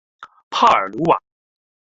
帕尔鲁瓦。